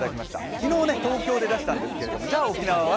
昨日東京で出したんですけれども、じゃあ沖縄は？